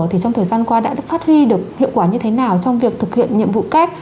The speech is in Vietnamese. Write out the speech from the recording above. thì trong thời gian qua đã phát huy được hiệu quả như thế nào trong việc thực hiện nhiệm vụ kép